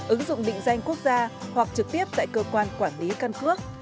ứng dụng định danh quốc gia hoặc trực tiếp tại cơ quan quản lý căn cước